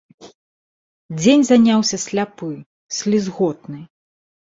Дзень заняўся сляпы, слізготны.